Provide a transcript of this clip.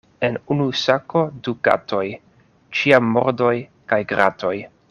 En unu sako du katoj, ĉiam mordoj kaj gratoj.